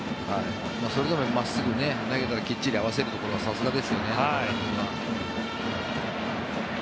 それでも真っすぐ投げたらきっちり合わせるところがさすがですよね。